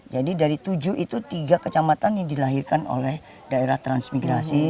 jadi dari tujuh itu tiga kecamatan yang dilahirkan oleh daerah transmigrasi